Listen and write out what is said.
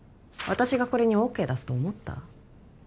私がこれにＯＫ出すと思った？